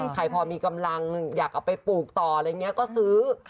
ใครพอมีกำลังอยากเอาไปปลูกต่ออะไรอย่างนี้ก็ซื้อ